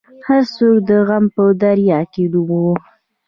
هر څوک د غم په دریا کې ډوب وو.